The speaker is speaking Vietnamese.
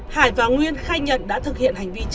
hải và nguyên khai nhận đã thực hiện hành vi trên